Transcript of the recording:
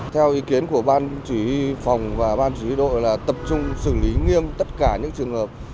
theo ý kiến của ban chủ yếu phòng và ban chủ yếu đội là tập trung xử lý nghiêm tất cả những trường hợp